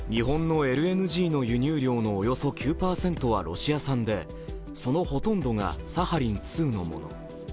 日本のＬＮＧの輸入量のおよそ９％がロシア産でそのほとんどがサハリン２のもの。